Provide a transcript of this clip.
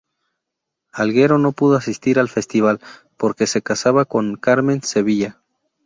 Algueró no pudo asistir al festival porque se casaba con Carmen Sevilla.